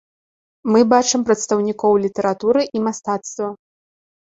Мы бачым прадстаўнікоў літаратуры і мастацтва.